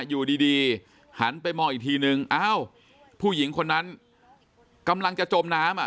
อยู่ดีดีหันไปมองอีกทีนึงอ้าวผู้หญิงคนนั้นกำลังจะจมน้ำอ่ะ